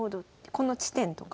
この地点とか？